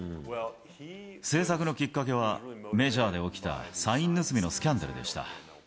製作のきっかけは、メジャーで起きたサイン盗みのスキャンダルでした。